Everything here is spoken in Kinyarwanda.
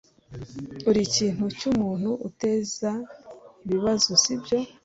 Urikintu cyumuntu uteza ibibazo, sibyo?